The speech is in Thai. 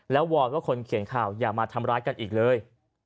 วอนว่าคนเขียนข่าวอย่ามาทำร้ายกันอีกเลย